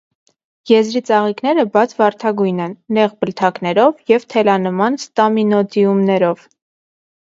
Եզրի ծաղիկները բաց վարդագույն են՝ նեղ բլթակներով և թելանման ստամինոդիումներով։